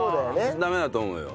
ダメだと思うよ。